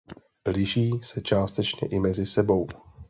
Liší se částečně i mezi sebou.